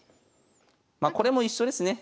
まこれも一緒ですね。